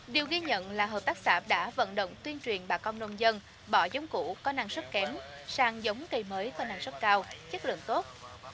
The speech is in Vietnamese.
điều ghi nhận là hợp tác xã đã vận động tuyên truyền bà con nông dân bỏ giống củ có năng suất kém sang giống cây mới có năng suất cao chất lượng tốt